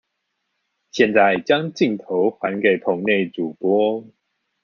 現在將鏡頭還給棚內主播